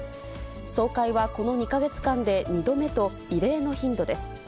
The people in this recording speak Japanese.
総会はこの２か月間で２度目と、異例の頻度です。